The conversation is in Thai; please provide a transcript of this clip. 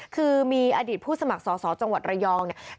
คือมีอดีตผู้สมัครสอสอจังหวัดระยองเนี่ย